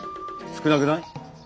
少なくない？